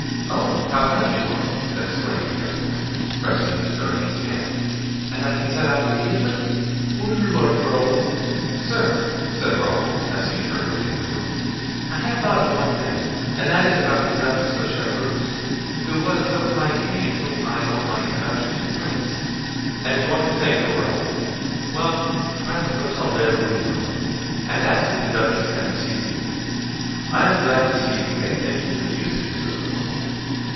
"Oh! how kind you are," exclaimed the young man, pressing his guardian's hand; "and I can set out immediately?" "When you like, Raoul." "Sir," said Raoul, as he turned to leave the room, "I have thought of one thing, and that is about the Duchess of Chevreuse, who was so kind to me and to whom I owe my introduction to the prince." "And you ought to thank her, Raoul. Well, try the Hotel de Luynes, Raoul, and ask if the duchess can receive you. I am glad to see you pay attention to the usages of the world.